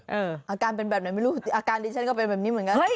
อาการเป็นแบบไหนไม่รู้อาการดิฉันก็เป็นแบบนี้เหมือนกัน